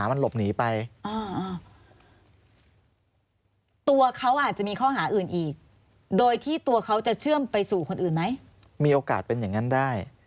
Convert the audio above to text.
มีโอกาสเป็นอย่างนั้นได้